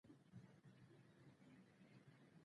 مکوه په چا، چي و به سي په تا